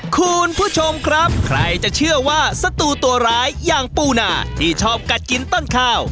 คุณผู้ชมครับใครจะเชื่อว่าสตูตัวร้ายอย่างปูนาที่ชอบกัดกินต้นข้าว